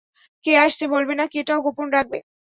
কে আসছে বলবে নাকি এটাও গোপন রাখবে?